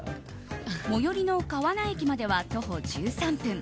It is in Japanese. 最寄りの川奈駅までは徒歩１３分。